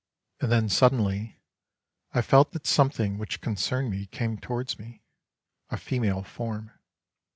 And then suddenly, I felt that something which concerned me came towards me: a female form.